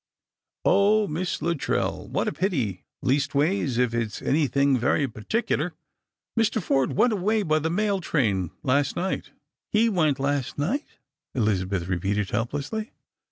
" 0, Miss Luttrell, what a pity ! leastways if it's anything very particular. Mr. Forde went away by the mail train last night." " He went last night !" Elizabeth repeated helplessly.